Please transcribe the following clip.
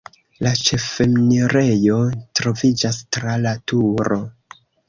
La ĉefenirejo troviĝas tra la turo.